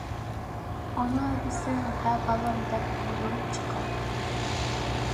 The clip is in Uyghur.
ئانا دېسەڭ ھە بالام دەپ يۈگۈرۈپ چىقار.